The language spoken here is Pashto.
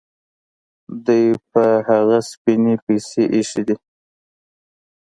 دوی پر هغه ډېرې پیسې ایښي دي.